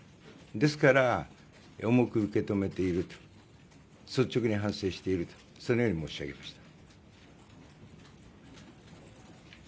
ですから、重く受け止めている率直に反省しているとそのように申し上げました。